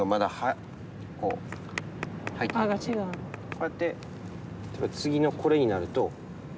こうやって次のこれになると。